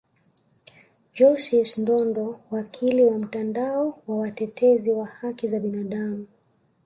Johnsis Ndodo wakili wa mtandao wa watetezi wa haki za binadamu